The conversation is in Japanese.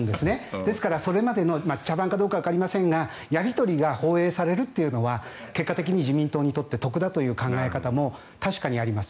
ですから、それまでの茶番かどうかわかりませんがやり取りが放映されるというのは結果的に自民党にとって得だという考え方も確かにあります。